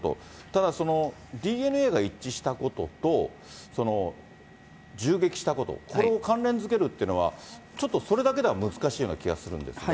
ただ、そのＤＮＡが一致したことと、銃撃したこと、これを関連づけるってのは、ちょっとそれだけでは難しいような気がするんですが。